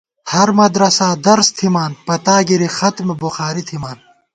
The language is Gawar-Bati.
ہرمدرسا درس تھِمان پتاگِری ختم بخاری تھِمان